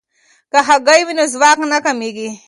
که هګۍ وي نو ځواک نه کمیږي.